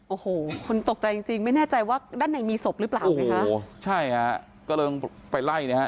โอ้โหคนตกใจจริงจริงไม่แน่ใจว่าด้านในมีศพหรือเปล่าไงฮะโอ้โหใช่ฮะก็เลยไปไล่นะฮะ